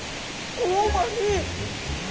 香ばしい。